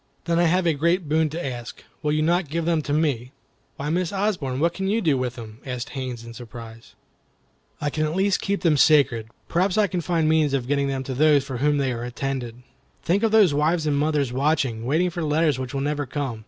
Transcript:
"Then I have a great boon to ask. Will you not give them to me?" "Why, Miss Osborne, what can you do with them?" asked Haines, in surprise. "I can at least keep them sacred. Perhaps I can find means of getting them to those for whom they are intended. Think of those wives and mothers watching, waiting for letters which will never come.